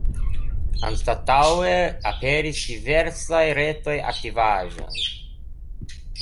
Anstataŭe aperis diversaj retaj aktivaĵoj.